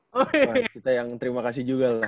wah kita yang terima kasih juga loh